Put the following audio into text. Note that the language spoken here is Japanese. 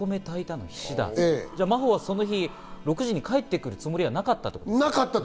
じゃあ真帆はその日６時に帰ってくるつもりはなかったってこと？